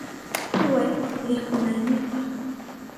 Kuway rikunaynipa.